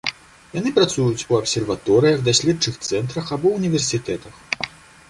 Яны працуюць у абсерваторыях, даследчых цэнтрах або ўніверсітэтах.